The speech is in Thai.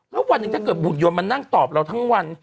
แล้ววันหนึ่งถ้าเกิดบุตรยนต์มานั่งตอบเราทั้งวัน